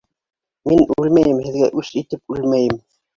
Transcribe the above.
Мин үлмәйем, һеҙгә үс итеп үлмәйем!